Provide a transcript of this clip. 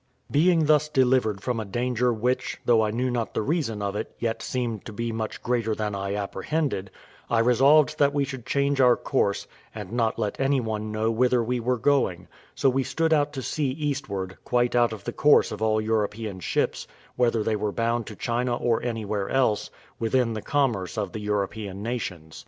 Being thus delivered from a danger which, though I knew not the reason of it, yet seemed to be much greater than I apprehended, I resolved that we should change our course, and not let any one know whither we were going; so we stood out to sea eastward, quite out of the course of all European ships, whether they were bound to China or anywhere else, within the commerce of the European nations.